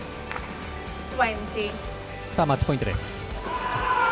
マッチポイントです。